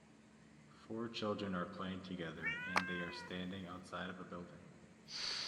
Four children are playing together, and they are standing outside of a building.